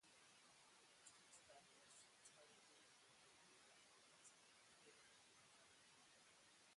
Kristianstad was historically located in the area where the Snapphane resided.